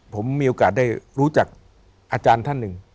ผมมีโอกาสได้รู้จักอาจารย์ท่านหนึ่ง